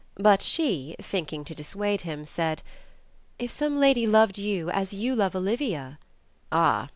But she, thinking to dissuade him, said — "If some lady loved you as you love Olivia?" "Ah